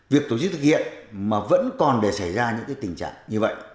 việc tổ chức thực hiện mà vẫn còn để xảy ra những tình trạng như vậy